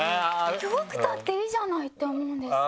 弱くたっていいじゃないって思うんです。